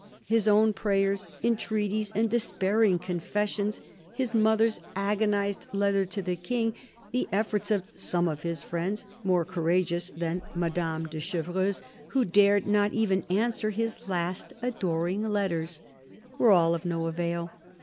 His own prayers, entreaties, and despairing confessions, his mother's agonised letter to the King, the efforts of some of his friends — more courageous than Madame de THE CARDINAL i/S Chevreuse, who dared not even answer his last adoring letters — were all of no avail.